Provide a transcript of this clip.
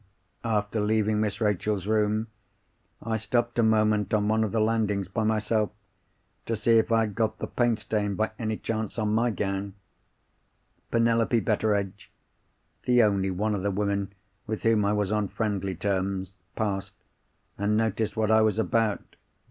"After leaving Miss Rachel's room, I stopped a moment on one of the landings, by myself, to see if I had got the paint stain by any chance on my gown. Penelope Betteredge (the only one of the women with whom I was on friendly terms) passed, and noticed what I was about.